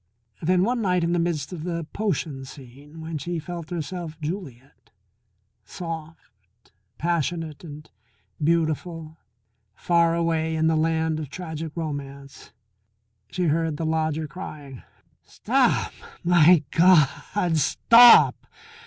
Then one night in the midst of the potion scene when she felt herself Juliet, soft, passionate, and beautiful, far away in the land of tragic romance, she heard the lodger crying: "Stop my God, stop!